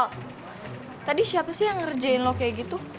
tadi siapa sih yang ngerjain lo kayak gitu